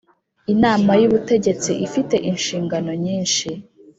Inama y ubutegetsi ifite inshingano nyinshi